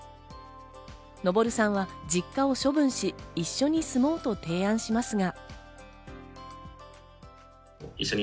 のぼるさんは実家を処分し、一緒に住もうと提案しますが。